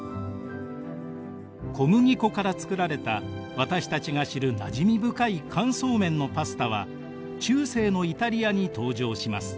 小麦粉から作られた私たちが知るなじみ深い乾燥麺のパスタは中世のイタリアに登場します。